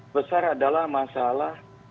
besar adalah masalah